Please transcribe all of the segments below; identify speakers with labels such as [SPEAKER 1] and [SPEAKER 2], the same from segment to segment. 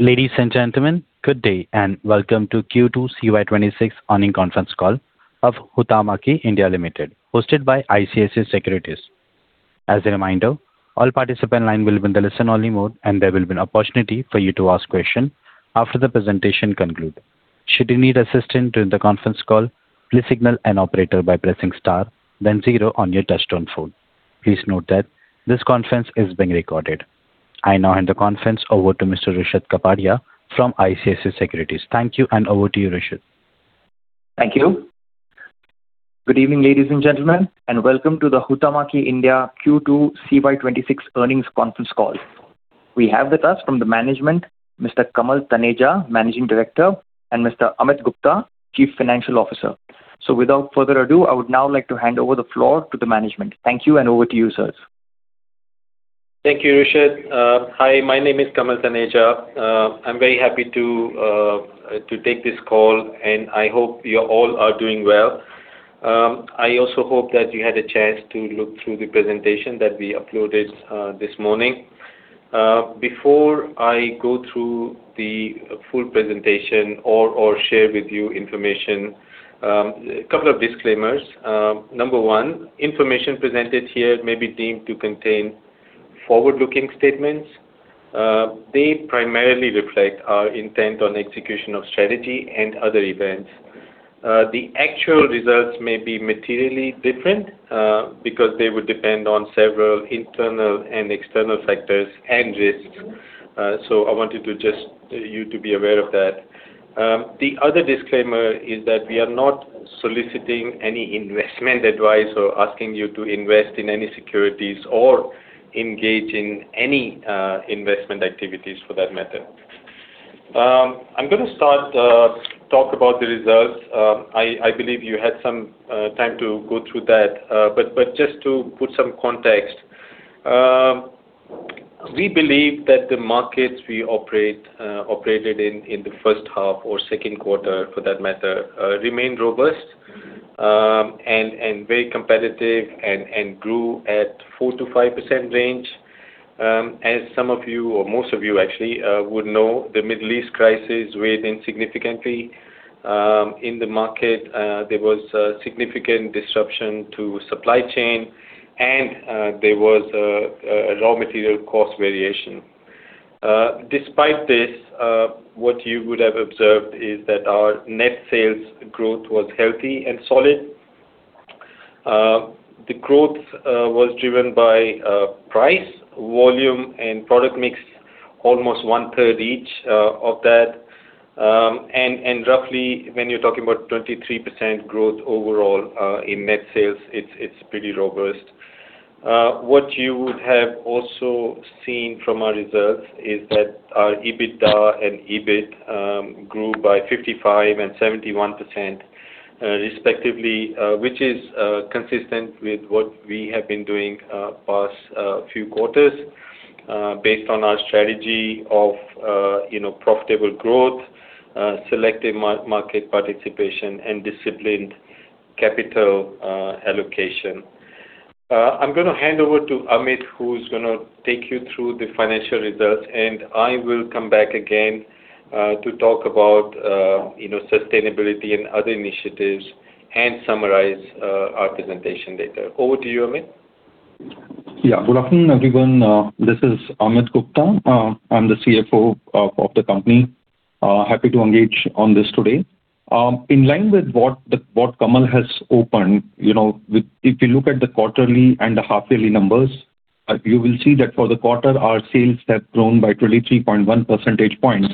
[SPEAKER 1] Ladies and gentlemen, good day and welcome to Q2 CY 2026 earnings conference call of Huhtamaki India Limited, hosted by ICICI Securities. As a reminder, all participant lines will be in the listen-only mode, there will be an opportunity for you to ask questions after the presentation concludes. Should you need assistance during the conference call, please signal an operator by pressing star then zero on your touchtone phone. Please note that this conference is being recorded. I now hand the conference over to Mr. Rushad Kapadia from ICICI Securities. Thank you, over to you, Rushad.
[SPEAKER 2] Thank you. Good evening, ladies and gentlemen, welcome to the Huhtamaki India Q2 CY 2026 earnings conference call. We have with us from the management, Mr. Kamal Taneja, Managing Director, and Mr. Amit Gupta, Chief Financial Officer. Without further ado, I would now like to hand over the floor to the management. Thank you, over to you, sirs.
[SPEAKER 3] Thank you, Rushad. Hi, my name is Kamal Taneja. I'm very happy to take this call, I hope you all are doing well. I also hope that you had a chance to look through the presentation that we uploaded this morning. Before I go through the full presentation or share with you information, a couple of disclaimers. Number one, information presented here may be deemed to contain forward-looking statements. They primarily reflect our intent on execution of strategy and other events. The actual results may be materially different because they would depend on several internal and external factors and risks. I wanted you to be aware of that. The other disclaimer is that we are not soliciting any investment advice or asking you to invest in any securities or engage in any investment activities for that matter. I'm going to start to talk about the results. I believe you had some time to go through that. Just to put some context, we believe that the markets we operated in in the first half or second quarter for that matter, remained robust and very competitive and grew at 4%-5% range. As some of you, or most of you actually, would know, the Middle East crisis weighed in significantly. In the market, there was a significant disruption to supply chain, there was a raw material cost variation. Despite this, what you would have observed is that our net sales growth was healthy and solid. The growth was driven by price, volume, and product mix, almost 1/3 each of that. Roughly when you're talking about 23% growth overall in net sales, it's pretty robust. What you would have also seen from our results is that our EBITDA and EBIT grew by 55% and 71% respectively. Which is consistent with what we have been doing the past few quarters based on our strategy of profitable growth, selective market participation, and disciplined capital allocation. I'm going to hand over to Amit, who's going to take you through the financial results, and I will come back again to talk about sustainability and other initiatives and summarize our presentation later. Over to you, Amit.
[SPEAKER 4] Yeah. Good afternoon, everyone. This is Amit Gupta. I'm the CFO of the company. Happy to engage on this today. In line with what Kamal has opened, if you look at the quarterly and the half-yearly numbers, you will see that for the quarter, our sales have grown by 23.1 percentage points.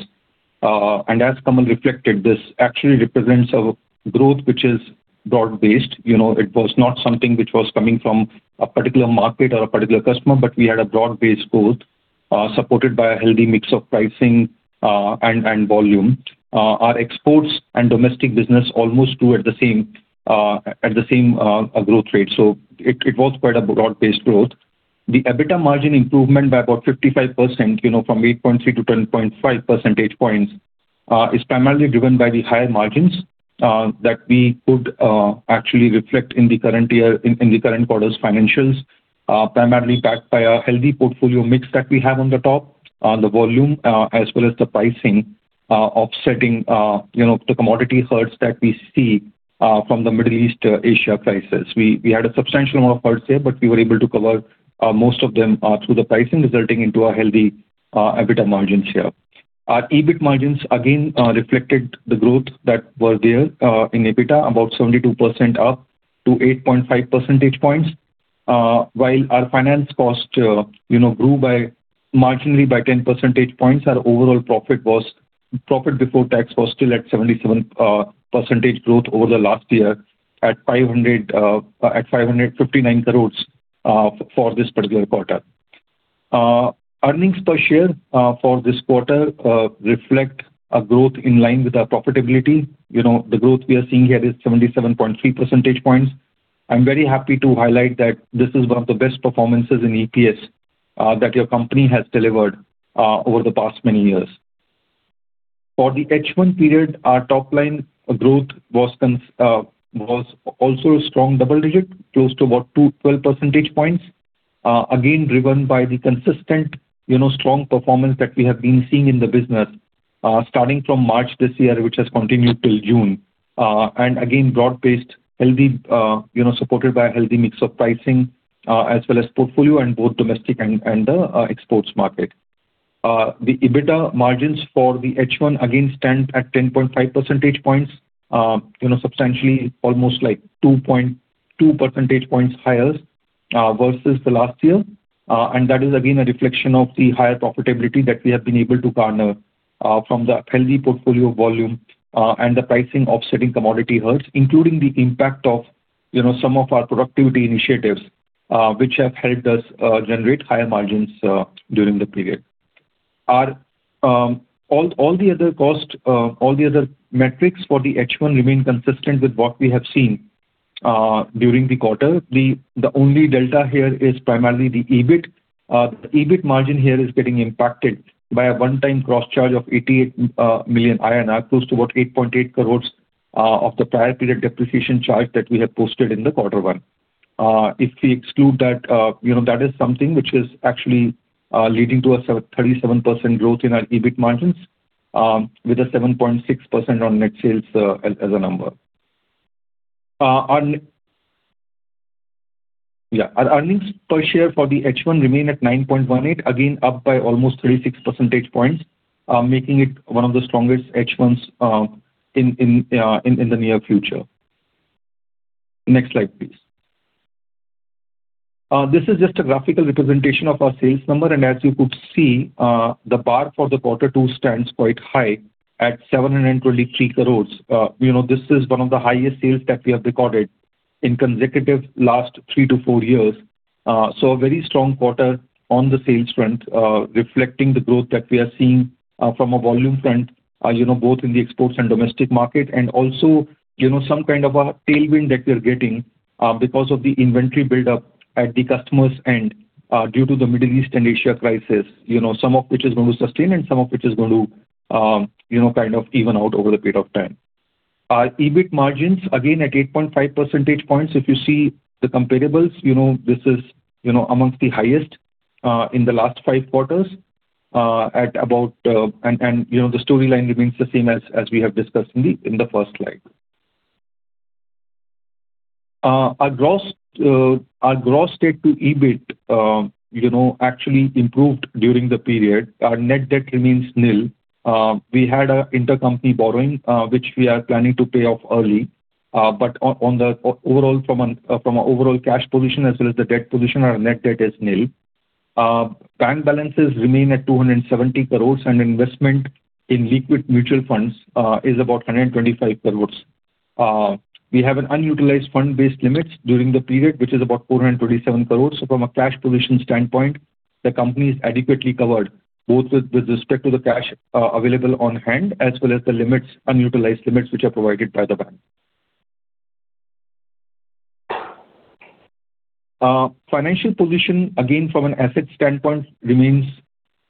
[SPEAKER 4] As Kamal reflected, this actually represents our growth, which is broad-based. It was not something which was coming from a particular market or a particular customer, but we had a broad-based growth supported by a healthy mix of pricing and volume. Our exports and domestic business almost grew at the same growth rate. It was quite a broad-based growth. The EBITDA margin improvement by about 55%, from 8.3 percentage points-10.5 percentage points, is primarily driven by the higher margins that we could actually reflect in the current quarter's financials. Primarily backed by a healthy portfolio mix that we have on the top, the volume as well as the pricing offsetting the commodity hurts that we see from the Middle East and Asia prices. We had a substantial amount of hurts there, but we were able to cover most of them through the pricing, resulting into a healthy EBITDA margin share. Our EBIT margins again reflected the growth that was there in EBITDA, about 72% up to 8.5 percentage points. While our finance cost grew marginally by 10 percentage points, our overall profit before tax was still at 77% growth over the last year at 559 crore for this particular quarter. Earnings per share for this quarter reflect a growth in line with our profitability. The growth we are seeing here is 77.3 percentage points. I'm very happy to highlight that this is one of the best performances in EPS that your company has delivered over the past many years. For the H1 period, our top-line growth was also strong double digit, close to about 12 percentage points. Again, driven by the consistent strong performance that we have been seeing in the business, starting from March this year, which has continued till June. Again, broad-based, supported by a healthy mix of pricing, as well as portfolio in both domestic and the exports market. The EBITDA margins for the H1 again stand at 10.5 percentage points, substantially almost 2 percentage points higher versus the last year. That is again, a reflection of the higher profitability that we have been able to garner from the healthy portfolio volume, and the pricing offsetting commodity hurts, including the impact of some of our productivity initiatives, which have helped us generate higher margins during the period. All the other metrics for the H1 remain consistent with what we have seen during the quarter. The only delta here is primarily the EBIT. The EBIT margin here is getting impacted by a one-time cross charge of 88 million, close to about 8.8 crore, of the prior period depreciation charge that we have posted in the quarter one. If we exclude that is something which is actually leading to a 37% growth in our EBIT margins, with a 7.6% on net sales as a number. Our earnings per share for the H1 remain at 9.18%, again, up by almost 36 percentage points, making it one of the strongest H1s in the near future. Next slide, please. This is just a graphical representation of our sales number. As you could see, the bar for the quarter two stands quite high at 723 crore. This is one of the highest sales that we have recorded in consecutive last three to four years. A very strong quarter on the sales front, reflecting the growth that we are seeing from a volume front, both in the exports and domestic market and also, some kind of a tailwind that we are getting because of the inventory buildup at the customer's end due to the Middle East and Asia crisis, some of which is going to sustain and some of which is going to kind of even out over the period of time. Our EBIT margins, again, at 8.5 percentage points. If you see the comparables, this is amongst the highest in the last five quarters. The storyline remains the same as we have discussed in the first slide. Our gross debt to EBIT actually improved during the period. Our net debt remains nil. We had an intercompany borrowing, which we are planning to pay off early. From our overall cash position as well as the debt position, our net debt is nil. Bank balances remain at 270 crore. Investment in liquid mutual funds is about 125 crore. We have an unutilized fund-based limits during the period, which is about 427 crore. From a cash position standpoint, the company is adequately covered, both with respect to the cash available on hand as well as the unutilized limits which are provided by the bank. Financial position, again, from an asset standpoint remains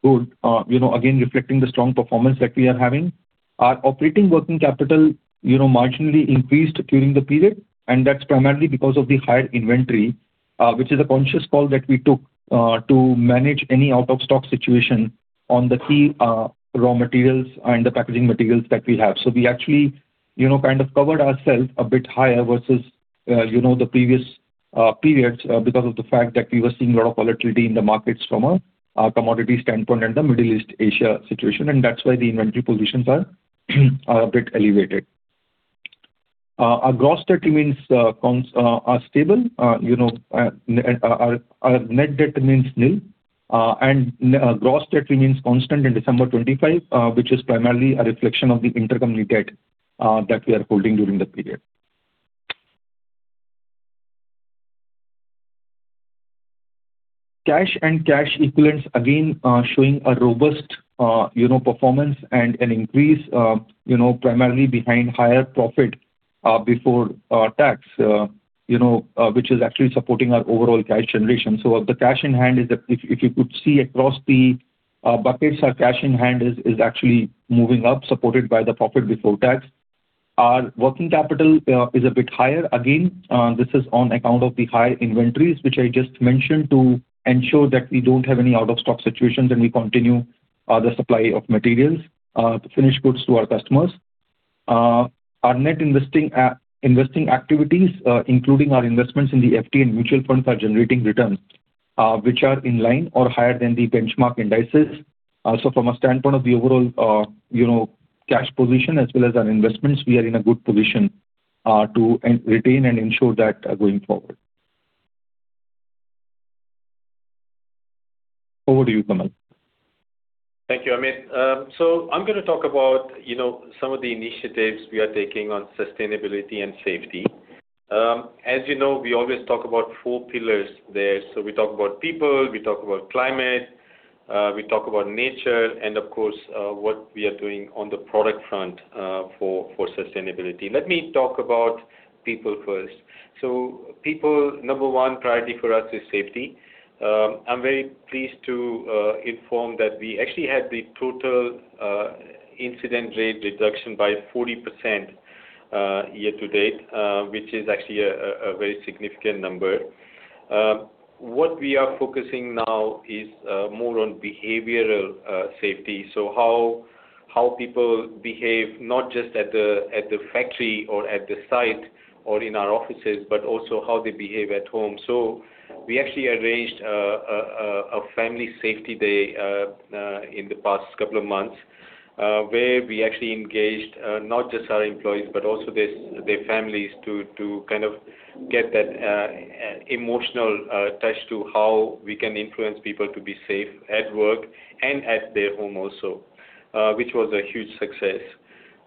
[SPEAKER 4] good. Again, reflecting the strong performance that we are having. Our operating working capital, you know, marginally increase during the period and that's primarily because of the higher inventory, which is a conscious call that we took, to manage any out-of-stock situation on the key raw materials and the packaging materials that we have. We actually kind of covered ourselves a bit higher versus the previous periods because of the fact that we were seeing a lot of volatility in the markets from a commodity standpoint and the Middle East/Asia situation, and that's why the inventory positions are a bit elevated. Our gross debt remains stable. Our net debt remains nil. Gross debt remains constant in December 2025, which is primarily a reflection of the intercompany debt that we are holding during the period. Cash and cash equivalents, again, showing a robust performance and an increase primarily behind higher profit before tax, which is actually supporting our overall cash generation. If you could see across the buckets, our cash in hand is actually moving up, supported by the profit before tax. Our working capital is a bit higher. Again, this is on account of the high inventories, which I just mentioned to ensure that we don't have any out-of-stock situations and we continue the supply of materials, the finished goods to our customers. Our net investing activities, including our investments in the [inaudible] and mutual funds, are generating returns which are in line or higher than the benchmark indices. From a standpoint of the overall cash position as well as our investments, we are in a good position to retain and ensure that going forward. Over to you, Kamal.
[SPEAKER 3] Thank you, Amit. I'm going to talk about some of the initiatives we are taking on sustainability and safety. As you know, we always talk about four pillars there. We talk about People, we talk about Climate, we talk about Nature, and of course, what we are doing on the Product front for sustainability. Let me talk about people first. People, number one priority for us is safety. I'm very pleased to inform that we actually had the total incident rate reduction by 40% year-to-date, which is actually a very significant number. What we are focusing now is more on behavioral safety. How people behave, not just at the factory or at the site or in our offices, but also how they behave at home. We actually arranged a family safety day in the past couple of months, where we actually engaged not just our employees, but also their families to get that emotional touch to how we can influence people to be safe at work and at their home also, which was a huge success.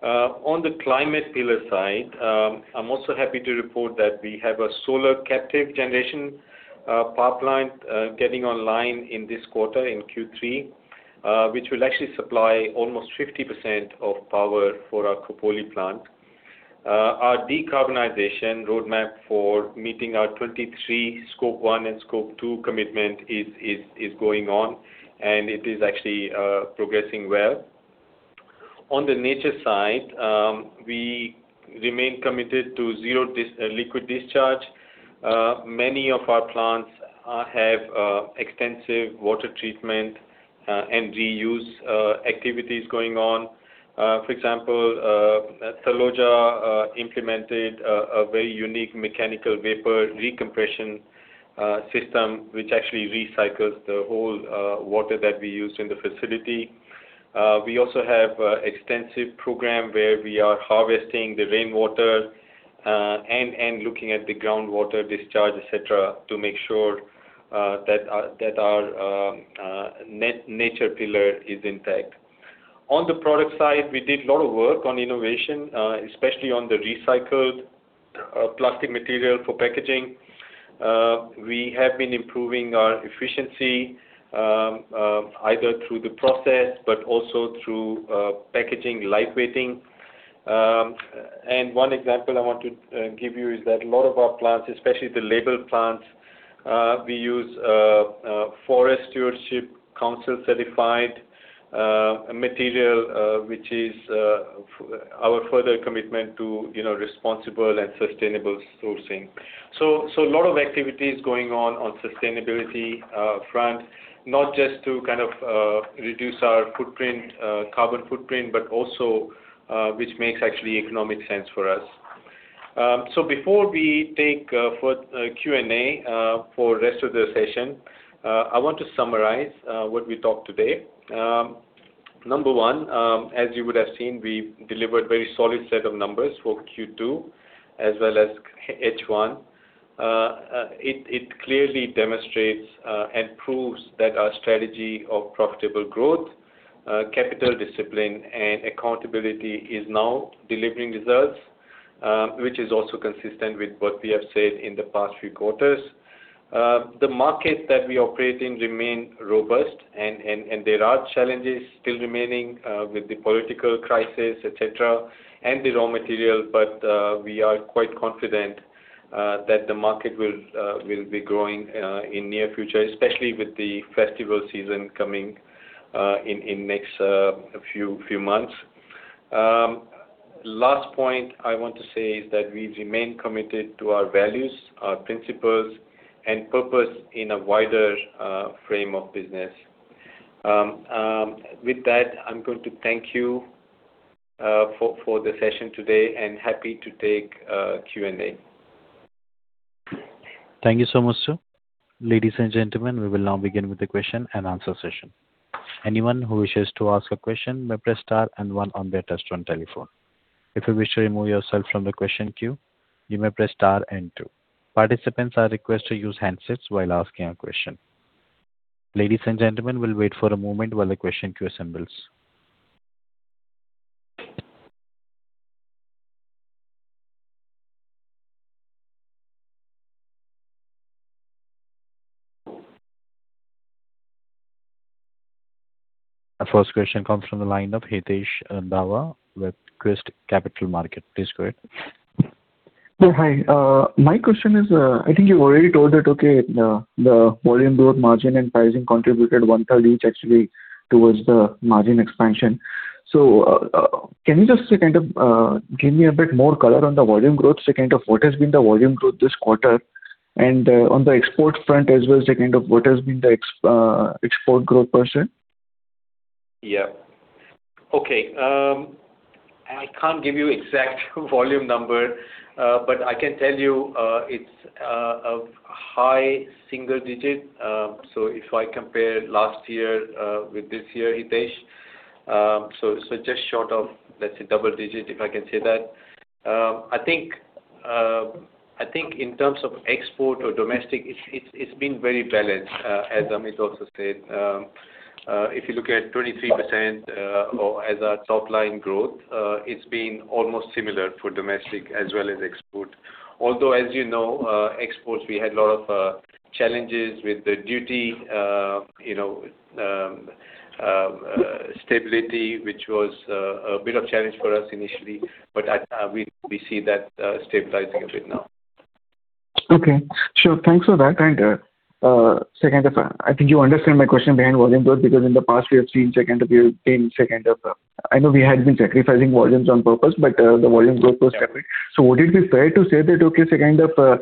[SPEAKER 3] On the Climate pillar side, I'm also happy to report that we have a solar captive generation power plant getting online in this quarter, in Q3, which will actually supply almost 50% of power for our Khopoli plant. Our decarbonization roadmap for meeting our 2023 Scope I and Scope II commitment is going on, and it is actually progressing well. On the nature side, we remain committed to Zero Liquid Discharge. Many of our plants have extensive water treatment and reuse activities going on. For example, Taloja implemented a very unique mechanical vapor recompression system, which actually recycles the whole water that we use in the facility. We also have extensive program where we are harvesting the rainwater, and looking at the groundwater discharge, etc, to make sure that our nature pillar is intact. On the product side, we did a lot of work on innovation, especially on the recycled plastic material for packaging. We have been improving our efficiency, either through the process but also through packaging lightweighting. One example I want to give you is that a lot of our plants, especially the label plants, we use Forest Stewardship Council certified material, which is our further commitment to responsible and sustainable sourcing. A lot of activities going on sustainability front. Not just to reduce our carbon footprint, but also which makes actually economic sense for us. Before we take Q&A for rest of the session, I want to summarize what we talked today. Number one, as you would have seen, we delivered very solid set of numbers for Q2 as well as H1. It clearly demonstrates and proves that our strategy of profitable growth, capital discipline and accountability is now delivering results, which is also consistent with what we have said in the past few quarters. The market that we operate in remain robust, and there are challenges still remaining with the political crisis, etc, and the raw material. We are quite confident that the market will be growing in near future, especially with the festival season coming in next few months. Last point I want to say is that we remain committed to our values, our principles, and purpose in a wider frame of business. With that, I'm going to thank you for the session today, and happy to take Q&A.
[SPEAKER 1] Thank you so much, sir. Ladies and gentlemen, we will now begin with the question-and-answer session. Anyone who wishes to ask a question may press star and one on their touchtone telephone. If you wish to remove yourself from the question queue, you may press star and two. Participants are requested to use handsets while asking a question. Ladies and gentlemen, we'll wait for a moment while the question queue assembles. Our first question comes from the line of Hitesh Dhawa with Quest Capital Market. Please go ahead.
[SPEAKER 5] Hi. My question is, I think you've already told that, okay, the volume growth margin and pricing contributed 1/3 each actually towards the margin expansion. Can you just give me a bit more color on the volume growth? What has been the volume growth this quarter, and on the export front as well, just what has been the export growth percent?
[SPEAKER 3] Okay. I can't give you exact volume number, but I can tell you it's a high single digit. If I compare last year with this year, Hitesh, just short of, let's say, double digit, if I can say that. I think in terms of export or domestic, it's been very balanced, as Amit also said. If you look at 23% as our top-line growth, it's been almost similar for domestic as well as export. Although, as you know, exports, we had a lot of challenges with the duty stability, which was a bit of challenge for us initially. We see that stabilizing a bit now.
[SPEAKER 5] Okay. Sure. Thanks for that. Second, I think you understand my question behind volume growth, because in the past, we have seen, [inaudible] I know we had been sacrificing volumes on purpose, the volume growth was separate. Would it be fair to say that, okay, second of --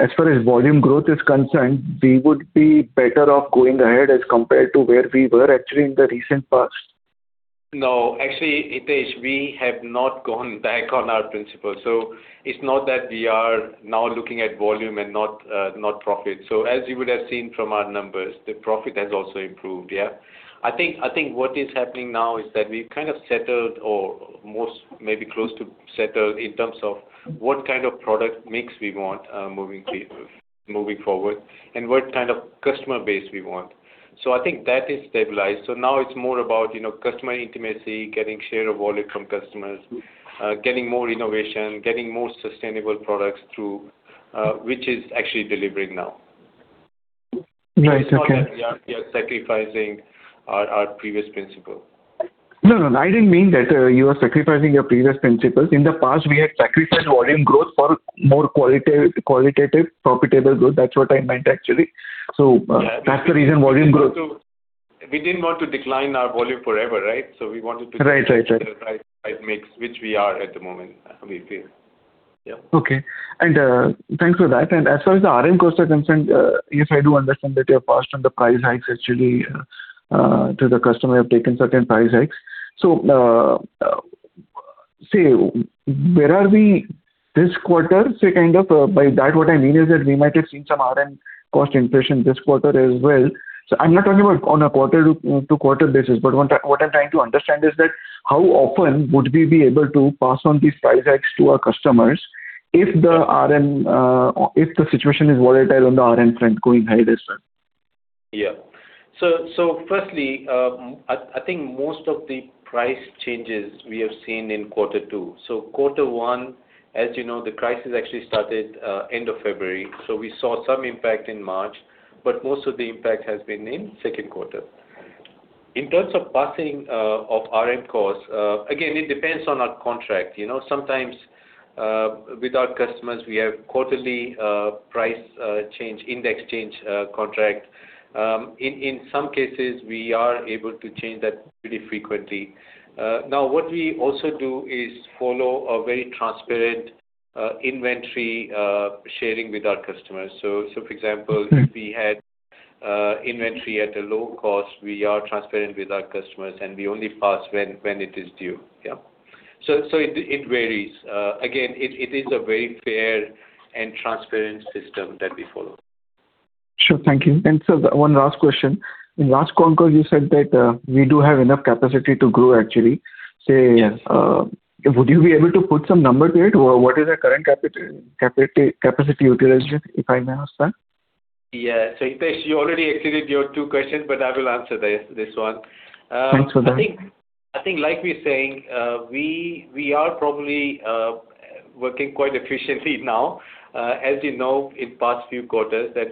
[SPEAKER 5] As far as volume growth is concerned, we would be better off going ahead as compared to where we were actually in the recent past?
[SPEAKER 3] Actually, Hitesh, we have not gone back on our principle. It's not that we are now looking at volume and not profit. As you would have seen from our numbers, the profit has also improved. I think what is happening now is that we've kind of settled, or maybe close to settled, in terms of what kind of product mix we want moving forward and what kind of customer base we want. I think that is stabilized. Now it's more about customer intimacy, getting share of wallet from customers, getting more innovation, getting more sustainable products through, which is actually delivering now.
[SPEAKER 5] Right. Okay.
[SPEAKER 3] It's not that we are sacrificing our previous principle.
[SPEAKER 5] No, I didn't mean that you are sacrificing your previous principles. In the past, we had sacrificed volume growth for more qualitative, profitable growth. That's what I meant, actually. That's the reason volume growth-
[SPEAKER 3] We didn't want to decline our volume forever, right? We wanted to-
[SPEAKER 5] Right, right.
[SPEAKER 3] ....mix which we are at the moment, we feel. Yeah.
[SPEAKER 5] Okay. Thanks for that. As far as the RM cost are concerned, yes, I do understand that you have passed on the price hikes actually to the customer, have taken certain price hikes. Say, where are we this quarter? Kind of by that, what I mean is that we might have seen some RM cost inflation this quarter as well. I'm not talking about on a quarter-to-quarter basis, but what I'm trying to understand is that how often would we be able to pass on these price hikes to our customers if the situation is volatile on the RM front going ahead as well?
[SPEAKER 3] Yeah. Firstly, I think most of the price changes we have seen in quarter two. Quarter one, as you know, the crisis actually started end of February. We saw some impact in March, but most of the impact has been in second quarter. In terms of passing of RM costs, again, it depends on our contract. Sometimes, with our customers, we have quarterly price change, index change contract. In some cases, we are able to change that pretty frequently. What we also do is follow a very transparent inventory sharing with our customers. For example, if we had inventory at a low cost, we are transparent with our customers, and we only pass when it is due. Yeah. It varies. Again, it is a very fair and transparent system that we follow.
[SPEAKER 5] Sure. Thank you. Sir, one last question. In last concall, you said that we do have enough capacity to grow, actually.
[SPEAKER 3] Yes.
[SPEAKER 5] Would you be able to put some number to it? What is our current capacity utilization, if I may ask that?
[SPEAKER 3] Hitesh, you already exceeded your two questions, but I will answer this one.
[SPEAKER 5] Thanks for that.
[SPEAKER 3] I think like we're saying, we are probably working quite efficiently now. As you know, in past few quarters that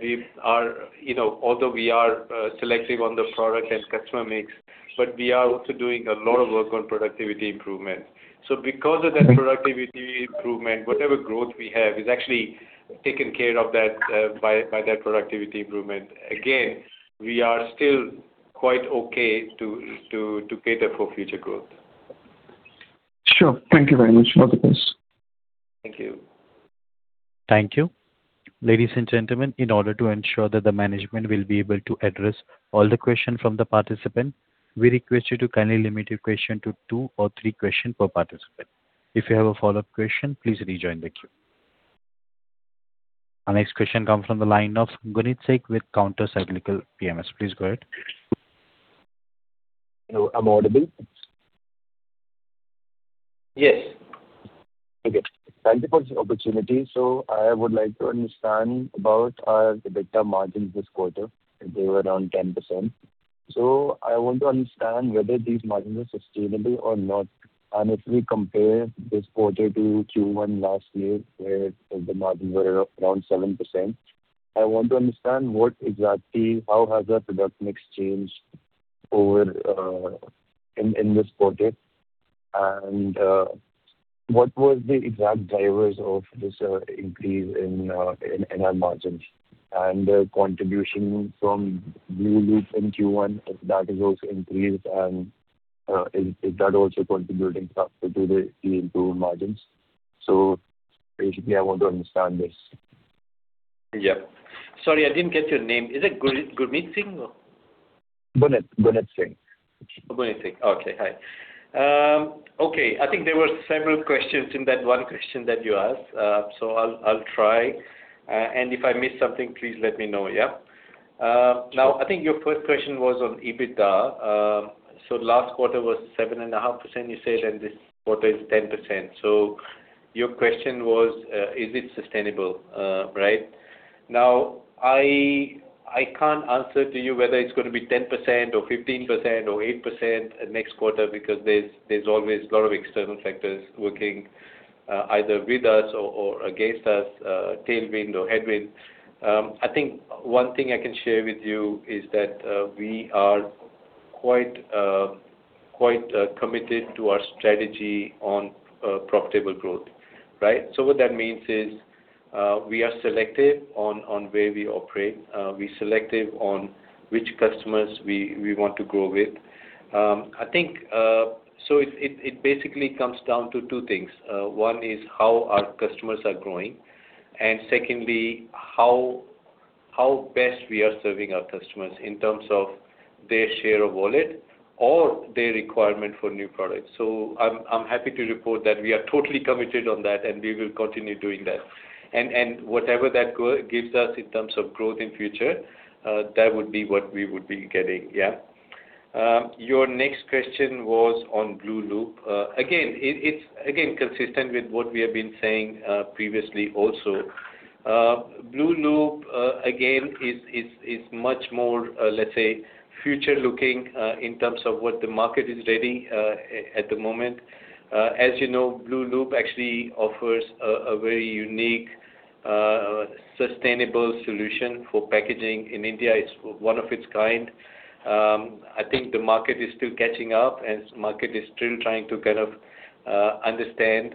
[SPEAKER 3] although we are selective on the product and customer mix, but we are also doing a lot of work on productivity improvement. Because of that productivity improvement, whatever growth we have is actually taken care of by that productivity improvement. Again, we are still quite okay to cater for future growth.
[SPEAKER 5] Sure. Thank you very much for the response.
[SPEAKER 3] Thank you.
[SPEAKER 1] Thank you. Ladies and gentlemen, in order to ensure that the management will be able to address all the question from the participant, we request you to kindly limit your question to two or three question per participant. If you have a follow-up question, please rejoin the queue. Our next question comes from the line of Gunit Singh with Counter Cyclical PMS. Please go ahead.
[SPEAKER 6] Hello, am I audible?
[SPEAKER 3] Yes.
[SPEAKER 6] Okay. Thank you for this opportunity. I would like to understand about our EBITDA margins this quarter. They were around 10%. I want to understand whether these margins are sustainable or not, and if we compare this quarter to Q1 last year, where the margins were around 7%. I want to understand what exactly, how has our product mix changed in this quarter, and what was the exact drivers of this increase in our margins, and the contribution from blueloop in Q1, if that has also increased, and is that also contributing factor to the improved margins? Basically, I want to understand this.
[SPEAKER 3] Yeah. Sorry, I didn't get your name. Is it Gunit Singh?
[SPEAKER 6] Gunit Singh.
[SPEAKER 3] Gunit. Okay. Hi. Okay. I think there were several questions in that one question that you asked. I'll try, and if I miss something, please let me know, yeah?
[SPEAKER 6] Sure.
[SPEAKER 3] I think your first question was on EBITDA. Last quarter was 7.5% you said, and this quarter is 10%. Your question was, is it sustainable? Right? I can't answer to you whether it's going to be 10% or 15% or 8% next quarter because there's always a lot of external factors working either with us or against us, tailwind or headwind. I think one thing I can share with you is that we are quite committed to our strategy on profitable growth, right? What that means is we are selective on where we operate. We're selective on which customers we want to grow with. It basically comes down to two things. One is how our customers are growing, and secondly, how best we are serving our customers in terms of their share of wallet or their requirement for new products. I'm happy to report that we are totally committed on that, and we will continue doing that. Whatever that gives us in terms of growth in future, that would be what we would be getting. Your next question was on blueloop. Again, consistent with what we have been saying previously also. Blueloop, again, is much more, let's say, future-looking, in terms of what the market is ready at the moment. As you know, blueloop actually offers a very unique, sustainable solution for packaging in India. It's one of its kind. I think the market is still catching up and market is still trying to understand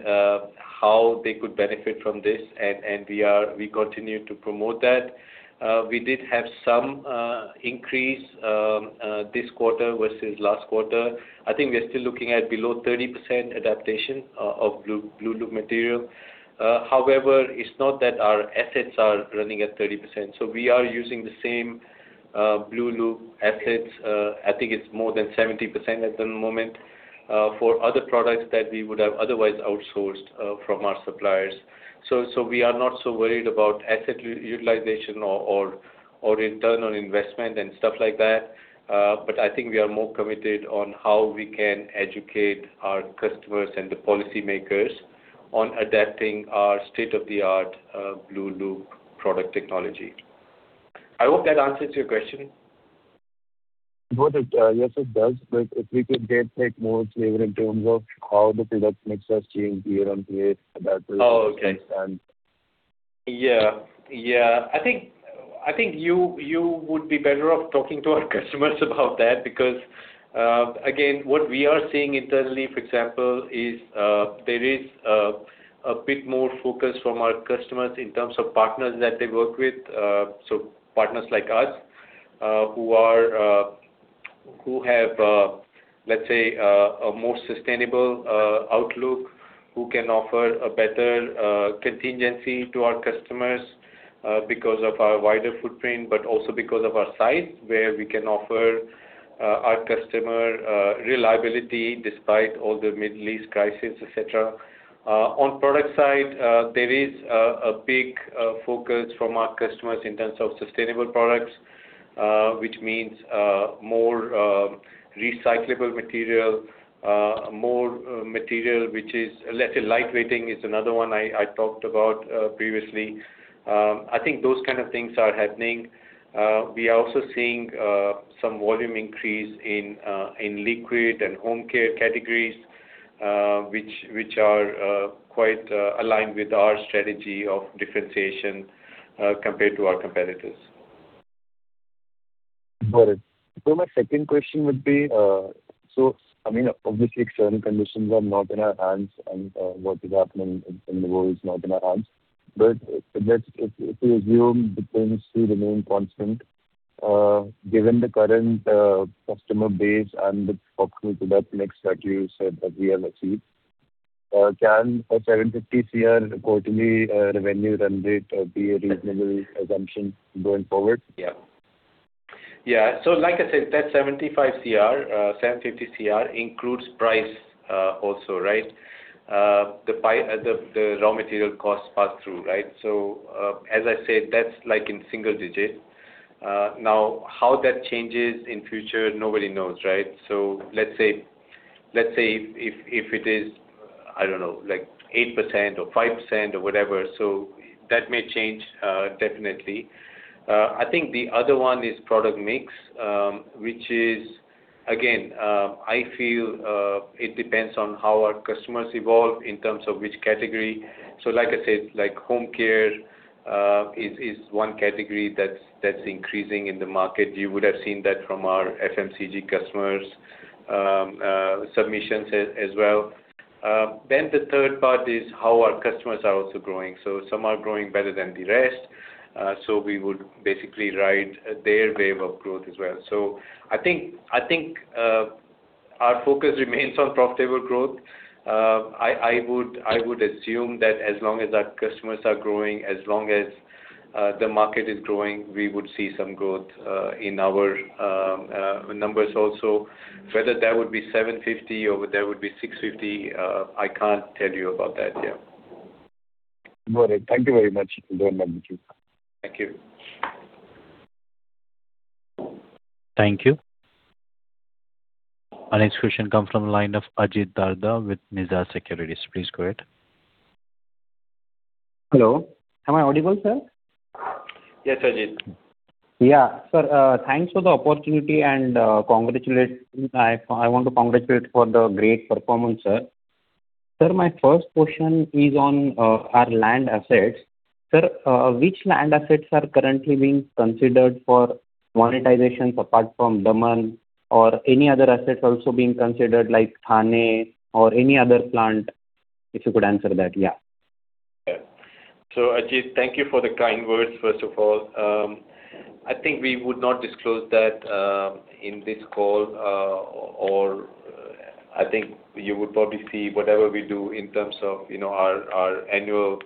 [SPEAKER 3] how they could benefit from this, and we continue to promote that. We did have some increase this quarter versus last quarter. I think we are still looking at below 30% adaptation of blueloop material. However, it's not that our assets are running at 30%. We are using the same blueloop assets, I think it's more than 70% at the moment, for other products that we would have otherwise outsourced from our suppliers. We are not so worried about asset utilization or internal investment and stuff like that. I think we are more committed on how we can educate our customers and the policymakers on adapting our state-of-the-art blueloop product technology. I hope that answers your question.
[SPEAKER 6] Got it. Yes, it does. If we could get like more flavor in terms of how the product mix has changed year-on-year, that will-
[SPEAKER 3] Oh, okay.
[SPEAKER 6] ...help us understand.
[SPEAKER 3] Yeah. I think you would be better off talking to our customers about that, because, again, what we are seeing internally, for example, is there is a bit more focus from our customers in terms of partners that they work with. Partners like us, who have, let's say, a more sustainable outlook, who can offer a better contingency to our customers because of our wider footprint, but also because of our size, where we can offer our customer reliability despite all the Middle East crisis, etc. On product side, there is a big focus from our customers in terms of sustainable products, which means more recyclable material, more material which is, let's say, light weighting is another one I talked about previously. I think those kind of things are happening. We are also seeing some volume increase in liquid and home care categories, which are quite aligned with our strategy of differentiation, compared to our competitors.
[SPEAKER 6] Got it. My second question would be, obviously external conditions are not in our hands and what is happening in the world is not in our hands. If we assume the things to remain constant, given the current customer base and the optimal product mix that you said that we have achieved, can a 750 crore quarterly revenue run rate be a reasonable assumption going forward?
[SPEAKER 3] Like I said, that 75 crore, 750 crore includes price also, right? The raw material costs pass through, right? As I said, that's like in single digit. How that changes in future, nobody knows, right? Let's say if it is, I don't know, like 8% or 5% or whatever, that may change definitely. I think the other one is product mix, which is again, I feel it depends on how our customers evolve in terms of which category. Like I said, home care is one category that's increasing in the market. You would have seen that from our FMCG customers' submissions as well. The third part is how our customers are also growing. Some are growing better than the rest. We would basically ride their wave of growth as well. I think our focus remains on profitable growth. I would assume that as long as our customers are growing, as long as the market is growing, we would see some growth in our numbers also. Whether that would be 750 crore or whether that would be 650 crore, I can't tell you about that.
[SPEAKER 6] Got it. Thank you very much.
[SPEAKER 3] Thank you.
[SPEAKER 1] Thank you. Our next question comes from the line of Ajit Darda with Nirzar Securities. Please go ahead.
[SPEAKER 7] Hello, am I audible, sir?
[SPEAKER 3] Yes, Ajit.
[SPEAKER 7] Yeah. Sir, thanks for the opportunity and I want to congratulate for the great performance, sir. Sir, my first question is on our land assets. Sir, which land assets are currently being considered for monetization apart from Daman or any other assets also being considered like Thane or any other plant? If you could answer that.
[SPEAKER 3] Yeah. Ajit, thank you for the kind words, first of all. I think we would not disclose that in this call, or I think you would probably see whatever we do in terms of our annual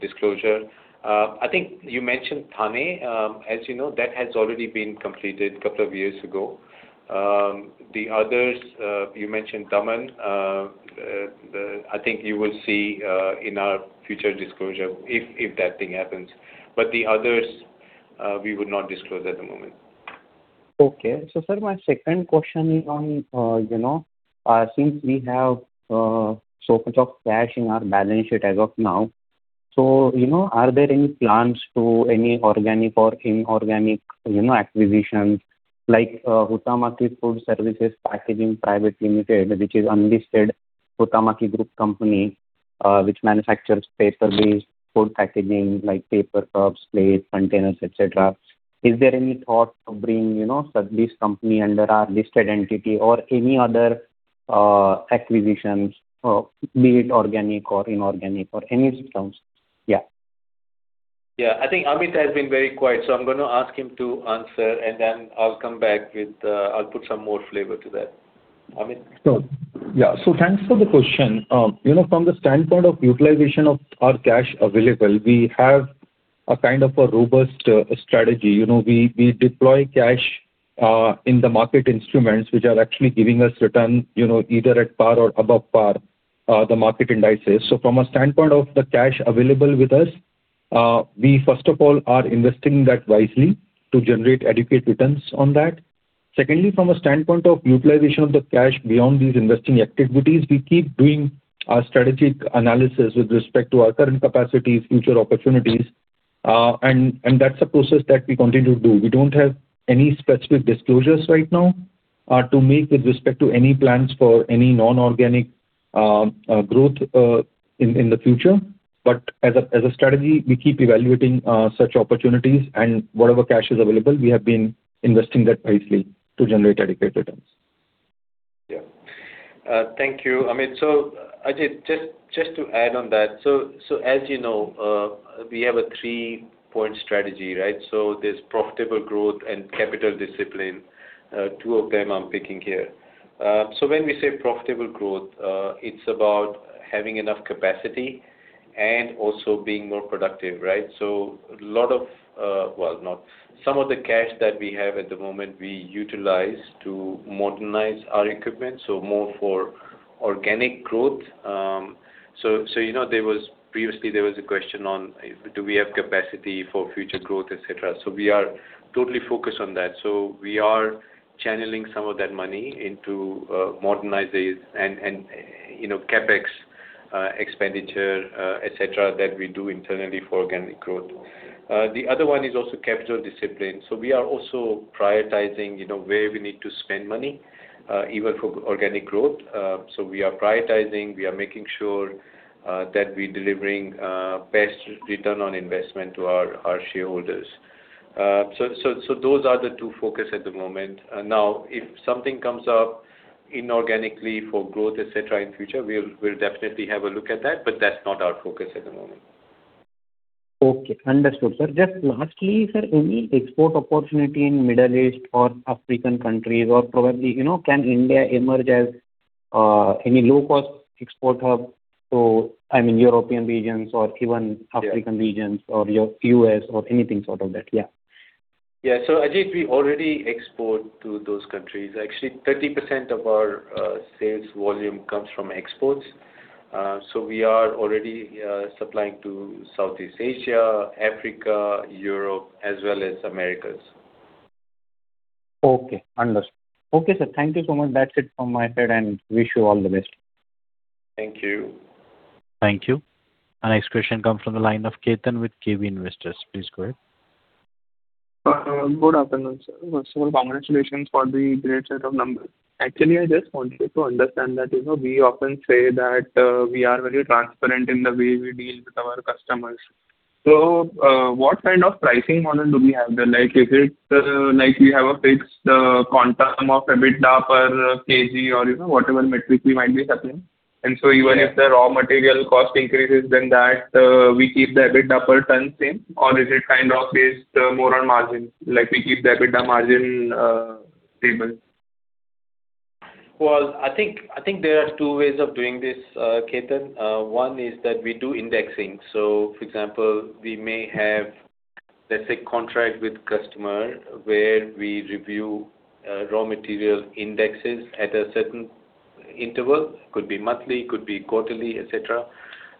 [SPEAKER 3] disclosure. I think you mentioned Thane. As you know, that has already been completed a couple of years ago. The others, you mentioned Daman, I think you will see in our future disclosure if that thing happens. The others, we would not disclose at the moment.
[SPEAKER 7] Okay. Sir, my second question on, since we have so much of cash in our balance sheet as of now, are there any plans to any organic or inorganic acquisitions like Huhtamaki Foodservice Packaging India Private Limited, which is unlisted Huhtamaki Group company, which manufactures paper-based food packaging, like paper cups, plates, containers, etc. Is there any thought to bring this company under our listed entity or any other acquisitions, be it organic or inorganic or any systems?
[SPEAKER 3] Yeah. I think Amit has been very quiet, I'm going to ask him to answer, and then I'll put some more flavor to that. Amit?
[SPEAKER 4] Sure. Yeah. Thanks for the question. From the standpoint of utilization of our cash available, we have a kind of a robust strategy. We deploy cash in the market instruments, which are actually giving us return either at par or above par the market indices. From a standpoint of the cash available with us, we first of all are investing that wisely to generate adequate returns on that. Secondly, from a standpoint of utilization of the cash beyond these investing activities, we keep doing our strategic analysis with respect to our current capacities, future opportunities, and that's a process that we continue to do. We don't have any specific disclosures right now to make with respect to any plans for any non-organic growth in the future. As a strategy, we keep evaluating such opportunities and whatever cash is available, we have been investing that wisely to generate adequate returns.
[SPEAKER 3] Yes. Thank you, Amit. Ajit, just to add on that, as you know, we have a three-point strategy, right? There's profitable growth and capital discipline, two of them I'm picking here. When we say profitable growth, it's about having enough capacity and also being more productive, right? Some of the cash that we have at the moment we utilize to modernize our equipment, more for organic growth. Previously there was a question on, do we have capacity for future growth, etc? We are totally focused on that. We are channeling some of that money into modernizing and CapEx expenditure, etc, that we do internally for organic growth. The other one is also capital discipline. We are also prioritizing where we need to spend money, even for organic growth. We are prioritizing, we are making sure that we're delivering best return on investment to our shareholders. Those are the two focus at the moment. If something comes up inorganically for growth, etc, in future, we'll definitely have a look at that, but that's not our focus at the moment.
[SPEAKER 7] Okay. Understood. Sir, just lastly, sir, any export opportunity in Middle East or African countries or probably, can India emerge as any low-cost export hub to European regions or even African regions or U.S. or anything sort of that, yeah?
[SPEAKER 3] Yeah. Ajit, we already export to those countries. Actually, 30% of our sales volume comes from exports. We are already supplying to Southeast Asia, Africa, Europe, as well as Americas.
[SPEAKER 7] Okay. Understood. Okay, sir, thank you so much. That's it from my side, and wish you all the best.
[SPEAKER 3] Thank you.
[SPEAKER 1] Thank you. Our next question comes from the line of Ketan with KB Investors. Please go ahead.
[SPEAKER 8] Good afternoon, sir. First of all, congratulations for the great set of numbers. Actually, I just wanted to understand that we often say that we are very transparent in the way we deal with our customers. What kind of pricing model do we have there? Is it like we have a fixed quantum of EBITDA per kg or whatever metric we might be supplying? Even if the raw material cost increases, then that we keep the EBITDA per ton same, or is it based more on margin, like we keep the EBITDA margin stable?
[SPEAKER 3] Well, I think there are two ways of doing this, Ketan. One is that we do indexing. For example, we may have, let's say, contract with customer where we review raw material indexes at a certain interval. Could be monthly, could be quarterly, etc.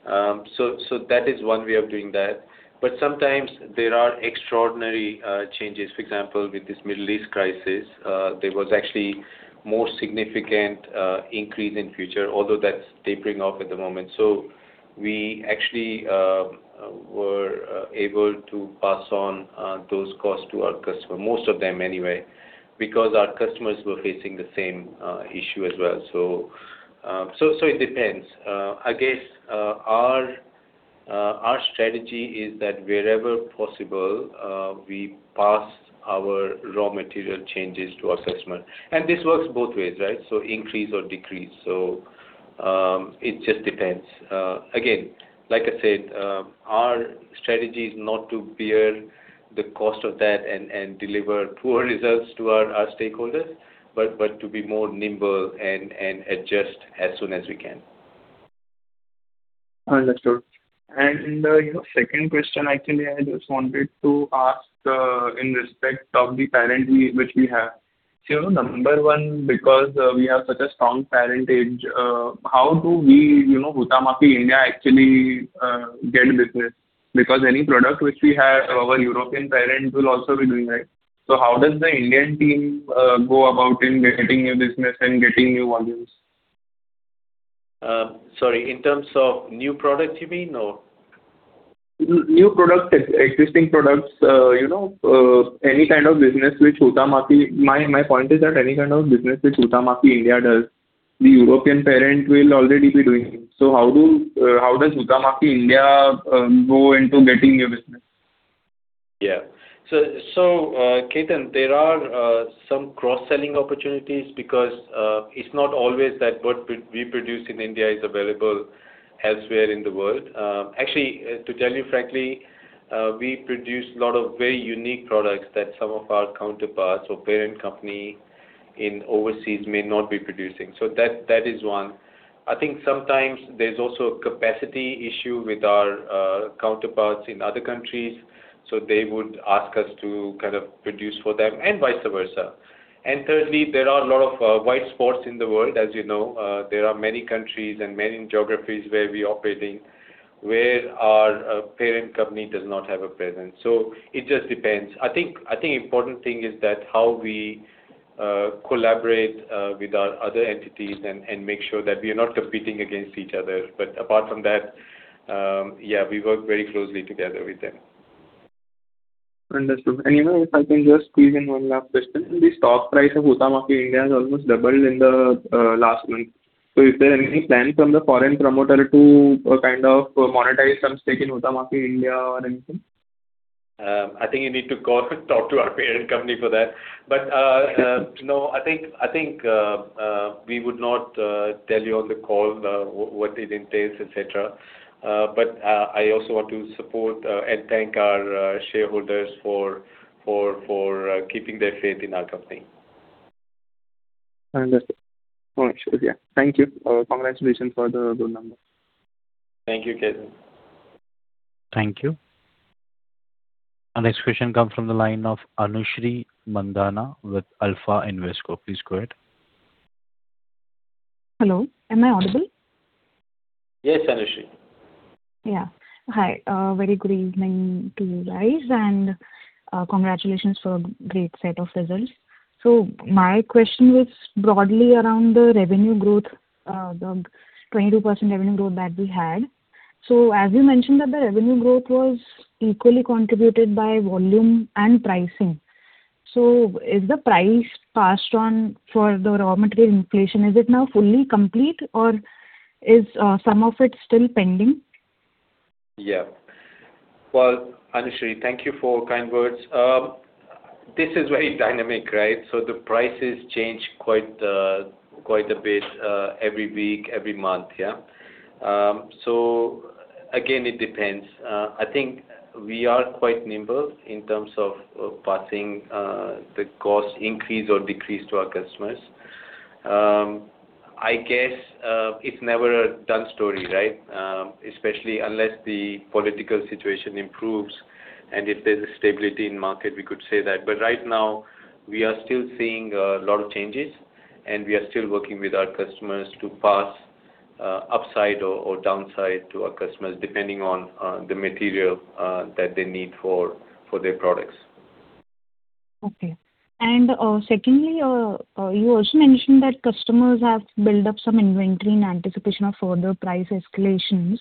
[SPEAKER 3] That is one way of doing that. Sometimes there are extraordinary changes. For example, with this Middle East crisis, there was actually more significant increase in future, although that's tapering off at the moment. We actually were able to pass on those costs to our customer, most of them anyway, because our customers were facing the same issue as well. It depends. I guess, our strategy is that wherever possible, we pass our raw material changes to our customer. This works both ways, right? Increase or decrease. It just depends. Again, like I said, our strategy is not to bear the cost of that and deliver poor results to our stakeholders, but to be more nimble and adjust as soon as we can.
[SPEAKER 8] Understood. Your second question, actually, I just wanted to ask in respect of the parent which we have. Number one, because we have such a strong parentage, how do we, Huhtamaki India, actually get business? Because any product which we have, our European parent will also be doing, right? How does the Indian team go about in getting new business and getting new volumes?
[SPEAKER 3] Sorry, in terms of new products, you mean, or?
[SPEAKER 8] New product, existing products, any kind of business which. My point is that any kind of business which Huhtamaki India does, the European parent will already be doing. How does Huhtamaki India go into getting new business?
[SPEAKER 3] Yeah. Ketan, there are some cross-selling opportunities because it's not always that what we produce in India is available elsewhere in the world. Actually, to tell you frankly, we produce a lot of very unique products that some of our counterparts or parent company in overseas may not be producing. That is one. I think sometimes there's also a capacity issue with our counterparts in other countries, so they would ask us to kind of produce for them and vice versa. Thirdly, there are a lot of white spots in the world, as you know. There are many countries and many geographies where we operating, where our parent company does not have a presence. It just depends. I think important thing is that how we collaborate with our other entities and make sure that we are not competing against each other. Apart from that, yeah, we work very closely together with them.
[SPEAKER 8] Understood. If I can just squeeze in one last question. The stock price of Huhtamaki India has almost doubled in the last month. Is there any plan from the foreign promoter to kind of monetize some stake in Huhtamaki India or anything?
[SPEAKER 3] I think you need to go talk to our parent company for that. No, I think we would not tell you on the call what it entails, etc. I also want to support and thank our shareholders for keeping their faith in our company.
[SPEAKER 8] Understood. All right, sure. Yeah. Thank you. Congratulations for the good numbers.
[SPEAKER 3] Thank you, Ketan.
[SPEAKER 1] Thank you. Our next question comes from the line of Anushree Mandana with Alpha Invesco. Please go ahead.
[SPEAKER 9] Hello, am I audible?
[SPEAKER 3] Yes, Anushree.
[SPEAKER 9] Yeah. Hi. A very good evening to you guys and congratulations for a great set of results. My question is broadly around the revenue growth, the 22% revenue growth that we had. As you mentioned that the revenue growth was equally contributed by volume and pricing. Is the price passed on for the raw material inflation, is it now fully complete or is some of it still pending?
[SPEAKER 3] Yeah. Well, Anushree, thank you for kind words. This is very dynamic, right? The prices change quite a bit every week, every month, yeah? Again, it depends. I think we are quite nimble in terms of passing the cost increase or decrease to our customers. I guess, it's never a done story, right? Especially unless the political situation improves, and if there's a stability in market, we could say that. Right now, we are still seeing a lot of changes, and we are still working with our customers to pass upside or downside to our customers depending on the material that they need for their products.
[SPEAKER 9] Okay. Secondly, you also mentioned that customers have built up some inventory in anticipation of further price escalations.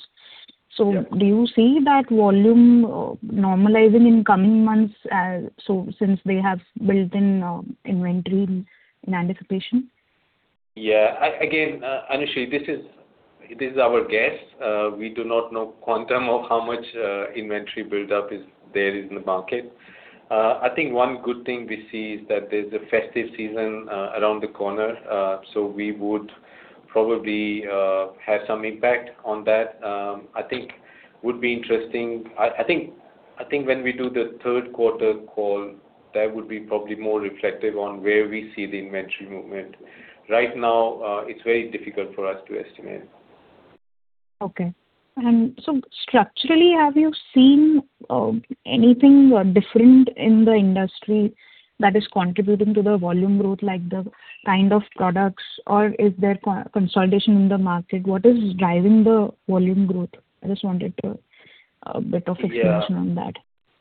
[SPEAKER 3] Yeah.
[SPEAKER 9] Do you see that volume normalizing in coming months as since they have built in inventory in anticipation?
[SPEAKER 3] Yeah. Again, Anushree, this is our guess. We do not know quantum of how much inventory buildup is there is in the market. I think one good thing we see is that there's a festive season around the corner, so we would probably have some impact on that. I think would be interesting. I think when we do the third quarter call, that would be probably more reflective on where we see the inventory movement. Right now, it's very difficult for us to estimate.
[SPEAKER 9] Okay. Structurally, have you seen anything different in the industry that is contributing to the volume growth, like the kind of products, or is there consolidation in the market? What is driving the volume growth? A bit of expansion on that.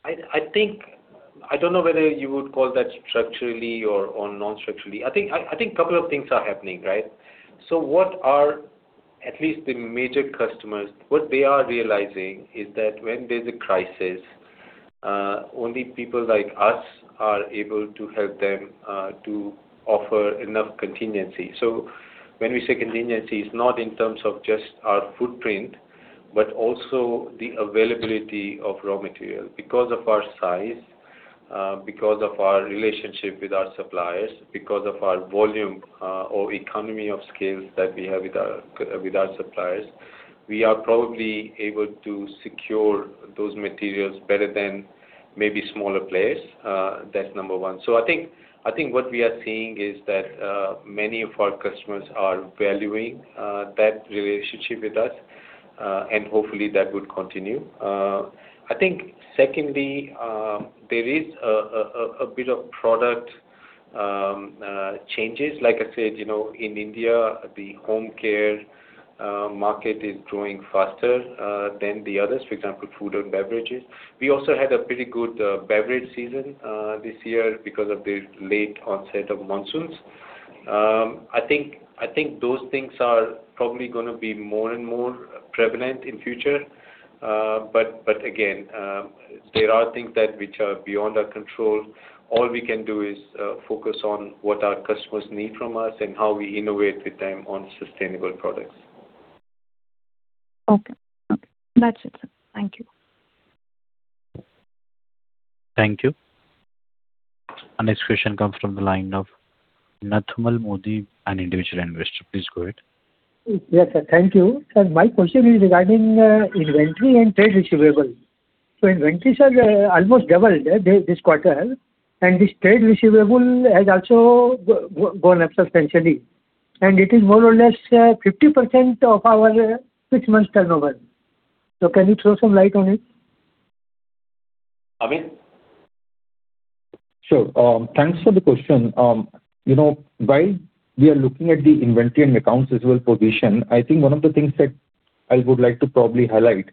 [SPEAKER 3] I don't know whether you would call that structurally or non-structurally. I think couple of things are happening, right? What are at least the major customers, what they are realizing is that when there's a crisis, only people like us are able to help them to offer enough contingency. When we say contingency, it's not in terms of just our footprint, but also the availability of raw material. Because of our size, because of our relationship with our suppliers, because of our volume or economy of scales that we have with our suppliers, we are probably able to secure those materials better than maybe smaller players. That's number one. I think what we are seeing is that many of our customers are valuing that relationship with us, and hopefully that would continue. I think secondly, there is a bit of product changes. Like I said, in India, the home care market is growing faster than the others, for example, food and beverages. We also had a pretty good beverage season this year because of the late onset of monsoons. I think those things are probably going to be more and more prevalent in future. Again, there are things that which are beyond our control. All we can do is focus on what our customers need from us and how we innovate with them on sustainable products.
[SPEAKER 9] Okay. That's it, sir. Thank you.
[SPEAKER 1] Thank you. Our next question comes from the line of Nathmal Modi, an individual investor. Please go ahead.
[SPEAKER 10] Yes, sir. Thank you. Sir, my question is regarding inventory and trade receivables. Inventory, sir, almost doubled this quarter, and this trade receivable has also gone up substantially, and it is more or less 50% of our six months turnover. Can you throw some light on it?
[SPEAKER 3] Amit?
[SPEAKER 4] Sure. Thanks for the question. While we are looking at the inventory and accounts as well position, I think one of the things that I would like to probably highlight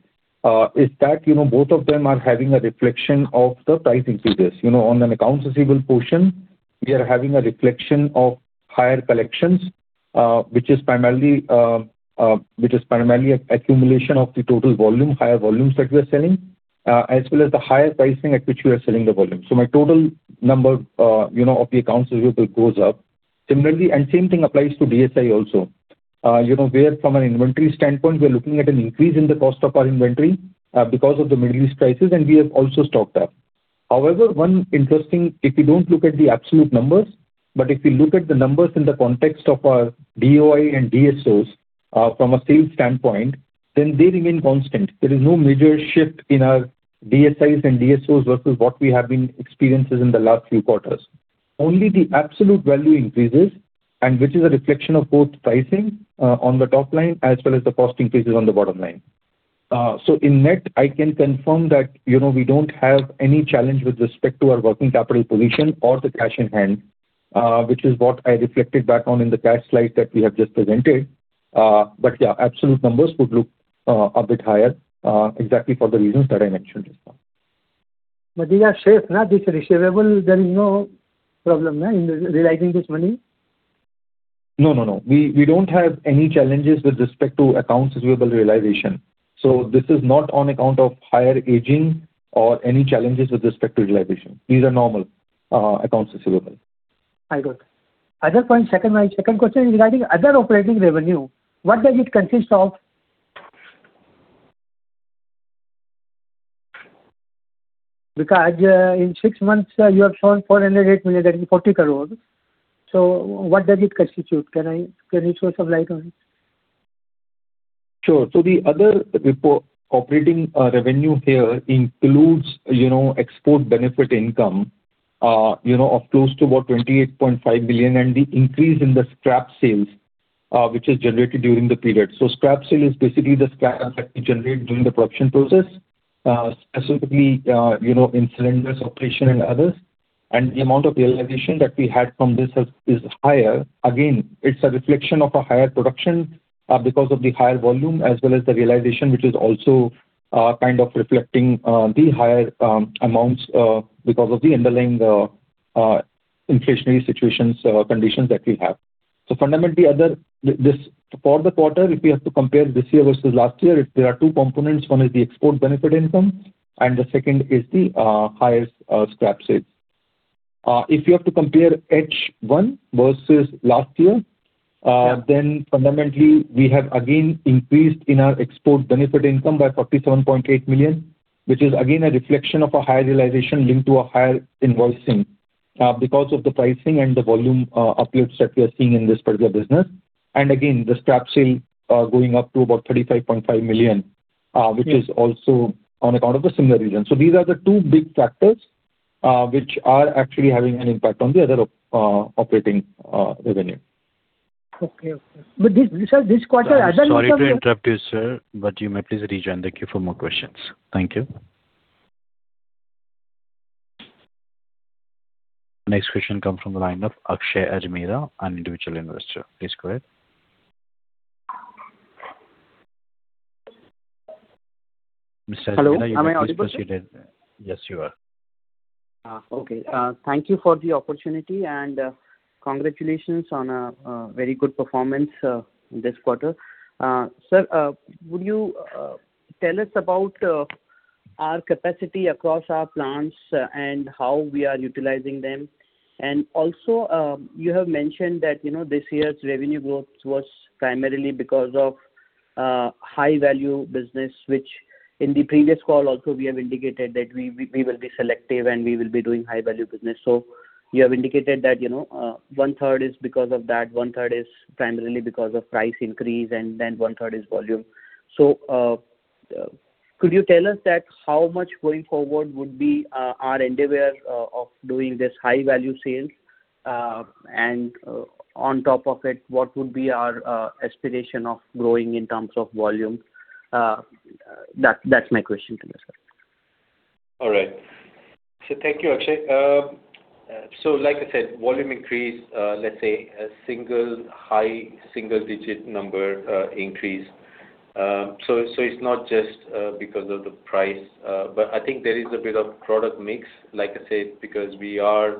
[SPEAKER 4] is that both of them are having a reflection of the pricing to this. On an accounts receivable portion, we are having a reflection of higher collections, which is primarily accumulation of the total volume, higher volumes that we are selling, as well as the higher pricing at which we are selling the volume. My total number of the accounts receivable goes up. Similarly, same thing applies to DSI also, where from an inventory standpoint, we are looking at an increase in the cost of our inventory because of the Middle East crisis, and we have also stocked up. One interesting, if you don't look at the absolute numbers, if you look at the numbers in the context of our DOI and DSOs from a sales standpoint, they remain constant. There is no major shift in our DSIs and DSOs versus what we have been experiencing in the last few quarters. Only the absolute value increases, which is a reflection of both pricing on the top line as well as the cost increases on the bottom line. In net, I can confirm that we don't have any challenge with respect to our working capital position or the cash in hand, which is what I reflected back on in the cash slide that we have just presented. Absolute numbers would look a bit higher exactly for the reasons that I mentioned just now.
[SPEAKER 10] These are safe, this receivable, there is no problem in realizing this money?
[SPEAKER 4] No. We don't have any challenges with respect to accounts receivable realization. This is not on account of higher aging or any challenges with respect to realization. These are normal accounts receivable.
[SPEAKER 10] I got. Other point, my second question is regarding other operating revenue. What does it consist of? In six months, you have shown, [inaudible] that is 40 crore. What does it constitute? Can you throw some light on it?
[SPEAKER 4] The other operating revenue here includes export benefit income of close to about 28.5 million, and the increase in the scrap sales, which is generated during the period. Scrap sale is basically the scrap that we generate during the production process, specifically in cylinders or platen and others. The amount of realization that we had from this is higher. Again, it's a reflection of a higher production because of the higher volume as well as the realization, which is also kind of reflecting the higher amounts because of the underlying inflationary situations or conditions that we have. Fundamentally, for the quarter, if we have to compare this year versus last year, there are two components. One is the export benefit income, and the second is the higher scrap sales. If you have to compare H1 versus last year-
[SPEAKER 10] Yeah.
[SPEAKER 4] ...fundamentally, we have again increased in our export benefit income by 47.8 million, which is again a reflection of a higher realization linked to a higher invoicing because of the pricing and the volume uplifts that we are seeing in this particular business. Again, the scrap sale going up to about 35.5 million-
[SPEAKER 10] Yeah.
[SPEAKER 4] ...which is also on account of a similar reason. These are the two big factors which are actually having an impact on the other operating revenue.
[SPEAKER 10] Okay. Sir, this quarter, other income-
[SPEAKER 1] Sorry to interrupt you, sir. You may please rejoin the queue for more questions. Thank you. Next question comes from the line of Akshay Ajmera, an individual investor. Please go ahead. Mr. Akshay, are you able to proceed?
[SPEAKER 11] Hello, am I audible?
[SPEAKER 1] Yes, you are.
[SPEAKER 11] Okay. Thank you for the opportunity and congratulations on a very good performance this quarter. Sir, would you tell us about our capacity across our plants and how we are utilizing them? Also, you have mentioned that this year's revenue growth was primarily because of high-value business, which in the previous call also we have indicated that we will be selective and we will be doing high-value business. You have indicated that 1/3 is because of that, 1/3 is primarily because of price increase, then 1/3 is volume. Could you tell us how much going forward would be our endeavor of doing this high-value sales? On top of it, what would be our aspiration of growing in terms of volume? That's my question to you, sir.
[SPEAKER 3] Thank you, Akshay. Like I said, volume increase, let's say a high single-digit number increase. It's not just because of the price. I think there is a bit of product mix, like I said,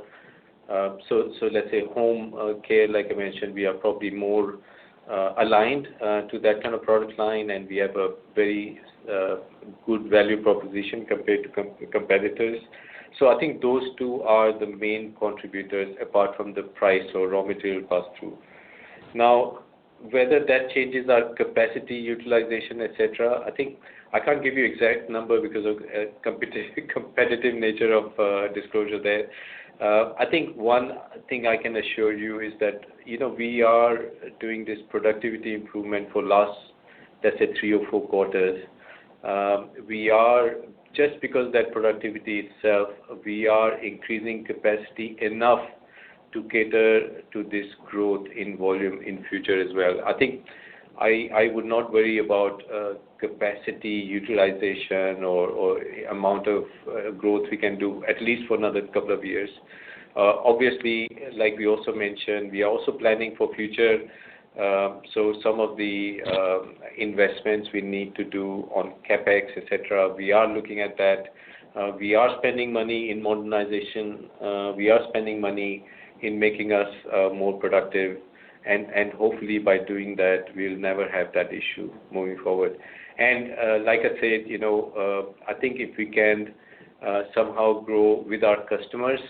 [SPEAKER 3] let's say home care, like I mentioned, we are probably more aligned to that kind of product line, and we have a very good value proposition compared to competitors. I think those two are the main contributors apart from the price or raw material pass-through. Now, whether that changes our capacity utilization, etc, I can't give you exact number because of competitive nature of disclosure there. One thing I can assure you is that we are doing this productivity improvement for last, let's say, three or four quarters. Just because that productivity itself, we are increasing capacity enough to cater to this growth in volume in future as well. I would not worry about capacity utilization or amount of growth we can do at least for another couple of years. Obviously, like we also mentioned, we are also planning for future. Some of the investments we need to do on CapEx, etc, we are looking at that. We are spending money in modernization. We are spending money in making us more productive. Hopefully, by doing that, we'll never have that issue moving forward. Like I said, if we can somehow grow with our customers,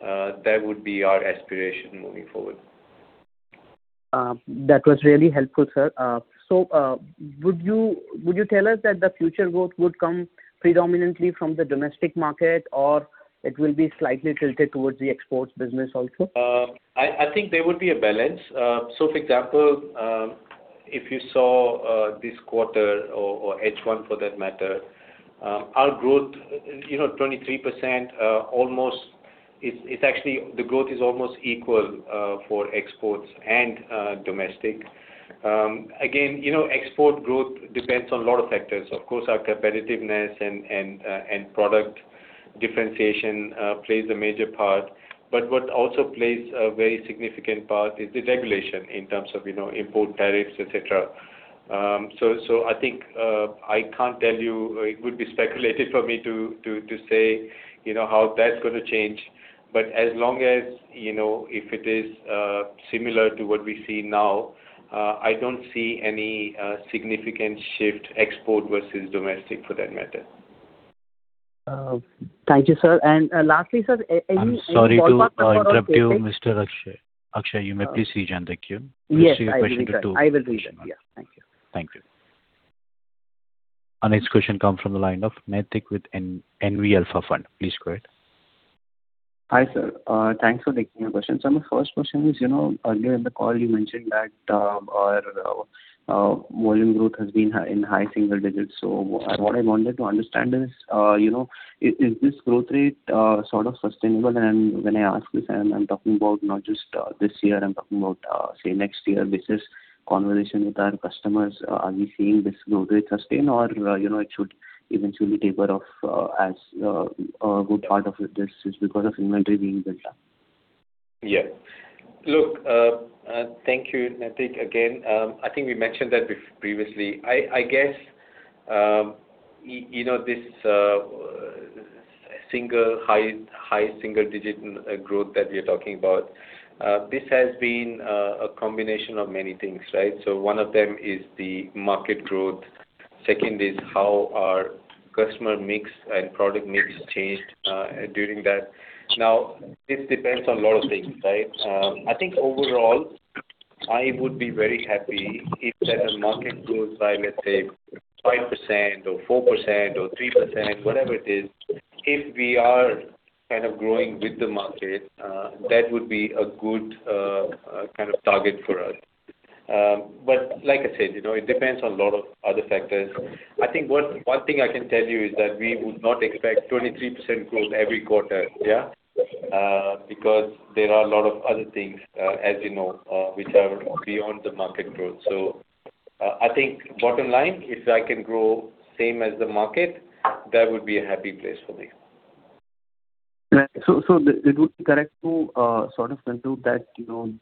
[SPEAKER 3] that would be our aspiration moving forward.
[SPEAKER 11] That was really helpful, sir. Would you tell us that the future growth would come predominantly from the domestic market or it will be slightly tilted towards the exports business also?
[SPEAKER 3] There would be a balance. For example, if you saw this quarter or H1 for that matter, our growth, 23%, actually the growth is almost equal for exports and domestic. Again, export growth depends on a lot of factors. Of course, our competitiveness and product differentiation plays a major part. What also plays a very significant part is the regulation in terms of import tariffs, etc. I can't tell you, it would be speculative for me to say how that's going to change. As long as if it is similar to what we see now, I don't see any significant shift export versus domestic for that matter.
[SPEAKER 11] Thank you, sir. Lastly, sir.
[SPEAKER 1] I'm sorry to interrupt you, Mr. Akshay. Akshay, you may please rejoin. Thank you.
[SPEAKER 11] Yes. I will do that. Yeah. Thank you.
[SPEAKER 1] Thank you. Our next question comes from the line of Naitik with NV Alpha Fund. Please go ahead.
[SPEAKER 12] Hi, sir. Thanks for taking my question. My first question is, earlier in the call you mentioned that your volume growth has been in high single digits. What I wanted to understand is this growth rate sort of sustainable? When I ask this, I'm talking about not just this year, I'm talking about, say, next year basis conversation with our customers. Are we seeing this growth rate sustain or it should eventually taper off as a good part of this is because of inventory being built up?
[SPEAKER 3] Look, thank you, Naitik, again. I think we mentioned that previously. I guess this high single-digit growth that we are talking about, this has been a combination of many things. One of them is the market growth. Second is how our customer mix and product mix changed during that. This depends on a lot of things. I think overall, I would be very happy if that the market grows by, let's say, 5% or 4% or 3%, whatever it is. If we are kind of growing with the market, that would be a good kind of target for us. Like I said, it depends on a lot of other factors. I think one thing I can tell you is that we would not expect 23% growth every quarter. Yeah? Because there are a lot of other things, as you know, which are beyond the market growth. I think bottom line, if I can grow same as the market, that would be a happy place for me.
[SPEAKER 12] It would be correct to sort of conclude that action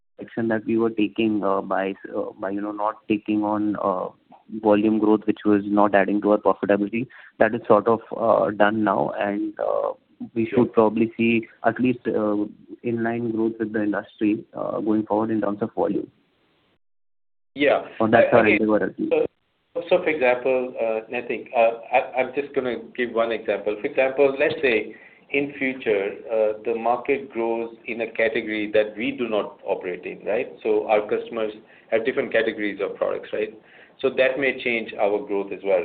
[SPEAKER 12] that we were taking by not taking on volume growth, which was not adding to our profitability. That is sort of done now, and we should probably see at least inline growth with the industry, going forward in terms of volume.
[SPEAKER 3] Yeah.
[SPEAKER 12] That's how I interpret it.
[SPEAKER 3] For example, Naitik, I'm just going to give one example. For example, let's say in future the market grows in a category that we do not operate in. Right? Our customers have different categories of products. That may change our growth as well.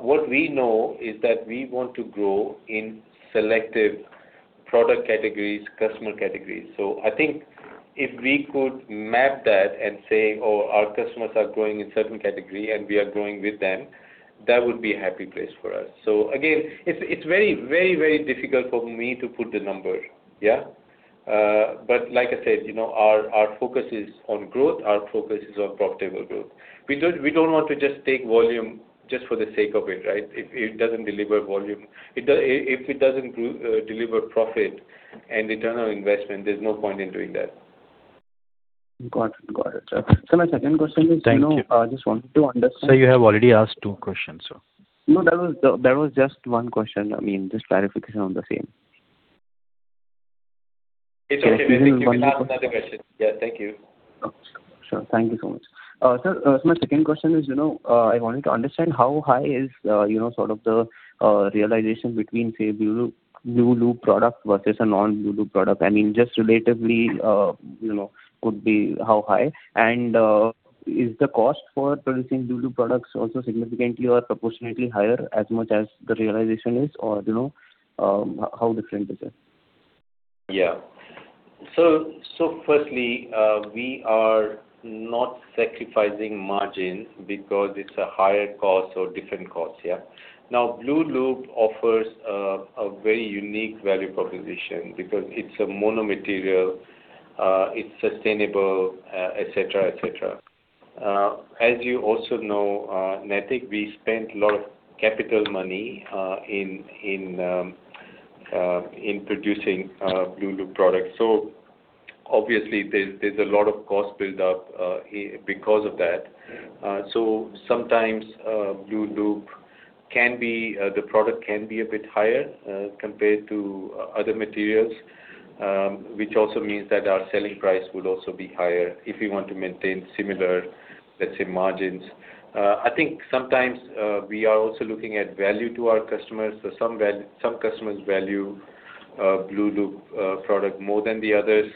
[SPEAKER 3] What we know is that we want to grow in selective product categories, customer categories. I think if we could map that and say, "Oh, our customers are growing in certain category and we are growing with them," that would be a happy place for us. Again, it's very difficult for me to put the number. Like I said, our focus is on growth, our focus is on profitable growth. We don't want to just take volume just for the sake of it. If it doesn't deliver profit and return on investment, there's no point in doing that.
[SPEAKER 12] Got it, sir. Sir, my second question is.
[SPEAKER 1] Thank you
[SPEAKER 12] I just wanted to understand-
[SPEAKER 1] Sir, you have already asked two questions, sir.
[SPEAKER 12] No, that was just one question. Just clarification on the same.
[SPEAKER 3] It's okay. You can ask another question. Yeah. Thank you.
[SPEAKER 12] Sure. Thank you so much. Sir, my second question is, I wanted to understand how high is the realization between, say, blueloop product versus a non-blueloop product. Just relatively, could be how high? Is the cost for producing blueloop products also significantly or proportionately higher as much as the realization is, or how different is it?
[SPEAKER 3] Yeah. Firstly, we are not sacrificing margin because it's a higher cost or different cost. Blueloop offers a very unique value proposition because it's a mono material, it's sustainable, etc. As you also know, Naitik, we spent a lot of capital money in producing blueloop products. Obviously there's a lot of cost build-up because of that. Sometimes blueloop, the product can be a bit higher compared to other materials, which also means that our selling price would also be higher if we want to maintain similar, let's say, margins. I think sometimes, we are also looking at value to our customers. Some customers value blueloop product more than the others,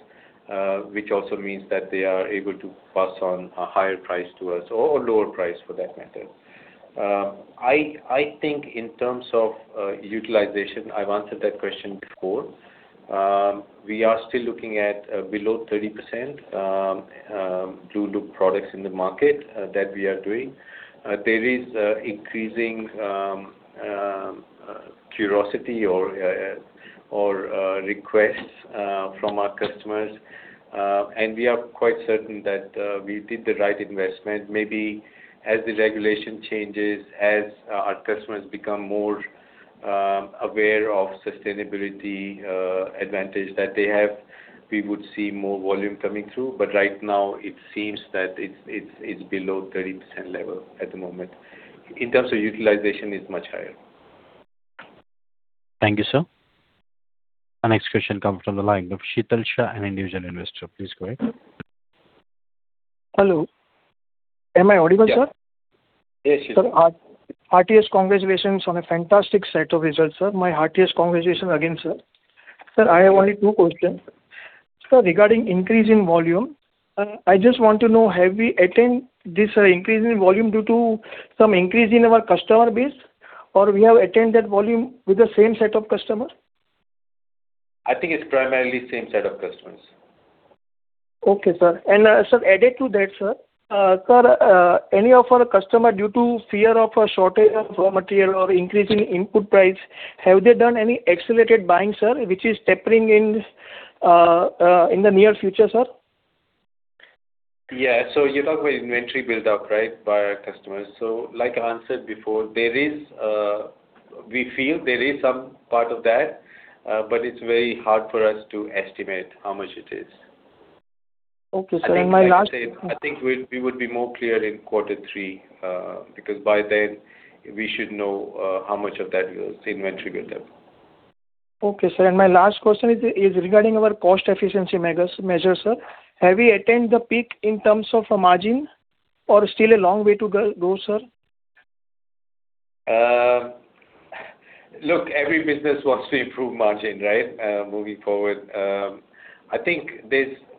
[SPEAKER 3] which also means that they are able to pass on a higher price to us, or a lower price for that matter. I think in terms of utilization, I've answered that question before. We are still looking at below 30% blueloop products in the market that we are doing. There is increasing curiosity or requests from our customers. We are quite certain that we did the right investment. Maybe as the regulation changes, as our customers become more aware of sustainability advantage that they have, we would see more volume coming through. Right now, it seems that it's below 30% level at the moment. In terms of utilization, it's much higher.
[SPEAKER 1] Thank you, sir. Our next question comes from the line of Shital Shah, an individual investor. Please go ahead.
[SPEAKER 13] Hello. Am I audible, sir?
[SPEAKER 3] Yes, you are.
[SPEAKER 13] Sir, heartiest congratulations on a fantastic set of results, sir. My heartiest congratulations again, sir. Sir, I have only two questions. Sir, regarding increase in volume, I just want to know, have we attained this increase in volume due to some increase in our customer base, or we have attained that volume with the same set of customers?
[SPEAKER 3] I think it's primarily same set of customers.
[SPEAKER 13] Okay, sir. Sir, added to that, sir, any of our customer, due to fear of a shortage of raw material or increase in input price, have they done any accelerated buying, sir, which is tapering in the near future, sir?
[SPEAKER 3] Yeah. You're talking about inventory build-up by our customers. Like I answered before, we feel there is some part of that, but it's very hard for us to estimate how much it is.
[SPEAKER 13] Okay, sir.
[SPEAKER 3] I think we would be more clear in quarter three, because by then we should know how much of that is inventory build-up.
[SPEAKER 13] Okay, sir. My last question is regarding our cost efficiency measures, sir. Have we attained the peak in terms of margin, or still a long way to go, sir?
[SPEAKER 3] Look, every business wants to improve margin, right, moving forward. I think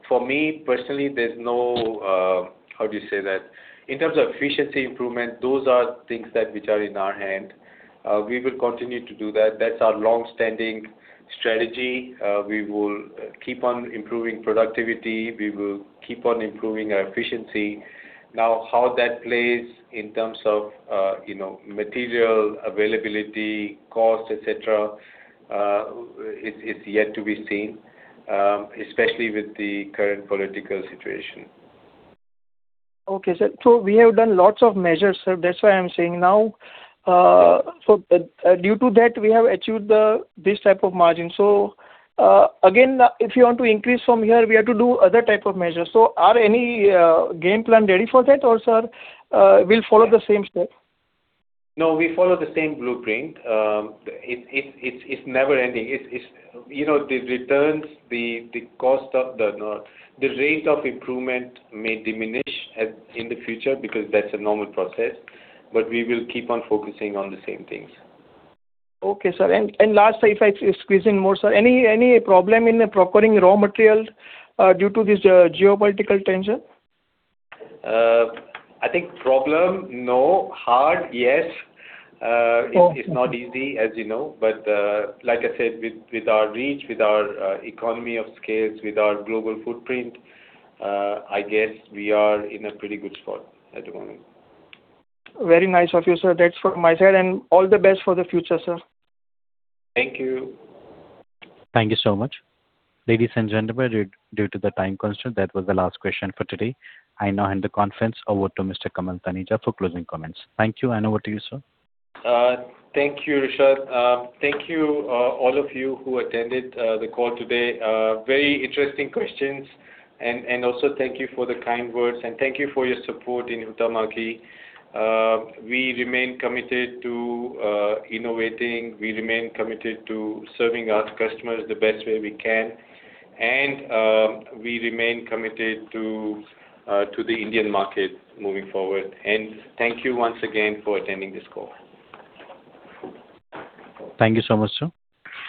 [SPEAKER 3] for me personally, there's no, how do you say that? In terms of efficiency improvement, those are things that which are in our hand. We will continue to do that. That's our longstanding strategy. We will keep on improving productivity. We will keep on improving our efficiency. Now, how that plays in terms of material availability, cost, etc, is yet to be seen. Especially with the current political situation.
[SPEAKER 13] Okay, sir. We have done lots of measures, sir. That's why I'm saying now, due to that, we have achieved this type of margin. Again, if you want to increase from here, we have to do other type of measures. Are any game plan ready for that or sir, we'll follow the same step?
[SPEAKER 3] We follow the same blueprint. It's never ending. The returns, the rate of improvement may diminish in the future because that's a normal process, we will keep on focusing on the same things.
[SPEAKER 13] Okay, sir. Last, if I squeeze in more, sir, any problem in procuring raw materials due to this geopolitical tension?
[SPEAKER 3] I think problem, no. Hard, yes.
[SPEAKER 13] Okay.
[SPEAKER 3] It's not easy, as you know. Like I said, with our reach, with our economies of scale, with our global footprint, I guess we are in a pretty good spot at the moment.
[SPEAKER 13] Very nice of you, sir. That's from my side and all the best for the future, sir.
[SPEAKER 3] Thank you.
[SPEAKER 1] Thank you so much. Ladies and gentlemen, due to the time constraint, that was the last question for today. I now hand the conference over to Mr. Kamal Taneja for closing comments. Thank you, and over to you, sir.
[SPEAKER 3] Thank you, Rushad. Thank you all of you who attended the call today. Very interesting questions. Also thank you for the kind words and thank you for your support in Huhtamaki. We remain committed to innovating. We remain committed to serving our customers the best way we can. We remain committed to the Indian market moving forward. Thank you once again for attending this call.
[SPEAKER 1] Thank you so much, sir.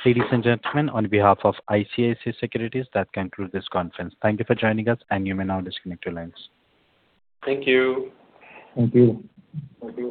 [SPEAKER 1] Ladies and gentlemen, on behalf of ICICI Securities, that concludes this conference. Thank you for joining us and you may now disconnect your lines.
[SPEAKER 3] Thank you.
[SPEAKER 4] Thank you.